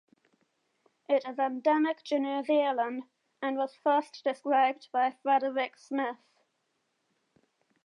It is endemic to New Zealand and was first described by Frederick Smith.